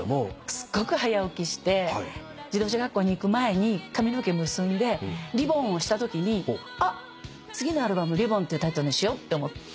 すっごく早起きして自動車学校に行く前に髪の毛結んでリボンをしたときにあっ次のアルバム『ｒｉｂｂｏｎ』っていうタイトルにしようって思って。